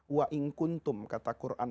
wa inkuntum kata quran